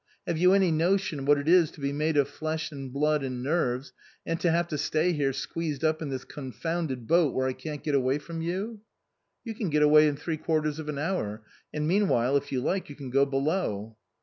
Have you any notion what it is to be made of flesh and blood and nerves, and to have to stay here, squeezed up in this confounded boat, where I can't get away from you ?"" You can get away in three quarters of an hour, and meanwhile, if you like, you can go below."